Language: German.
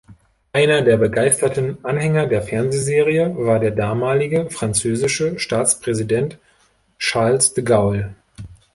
Einer der begeisterten Anhänger der Fernsehserie war der damalige französische Staatspräsident Charles de Gaulle.